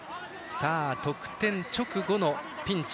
得点直後のピンチ。